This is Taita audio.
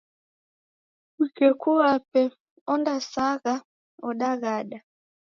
Mkeku wape ondasagha odaghada!